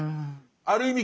ある意味